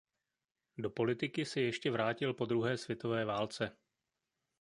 Do politiky se ještě vrátil po druhé světové válce.